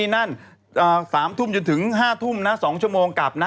๓๐๐๐๔๐๐๐นั้น๓ทุ่มจนถึง๕ทุ่ม๒ชั่วโมงกลับนะ